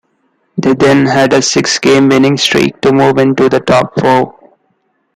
They then had a six-game winning streak to move into the top four.